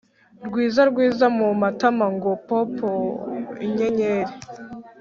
rwiza rwiza mumatama ngo pooooooo inyenyeri